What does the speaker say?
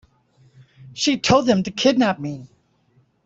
She told them to kidnap me.